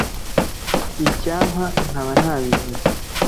icyampa nkaba ntabivuze.